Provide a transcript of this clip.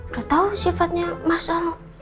udah tau sifatnya mas al